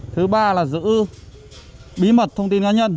thứ ba là giữ bí mật thông tin cá nhân